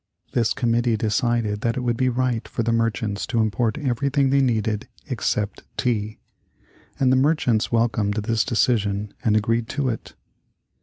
This committee decided that it would be right for the merchants to import everything they needed except tea. And the merchants welcomed this decision and agreed to it.